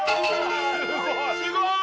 すごい！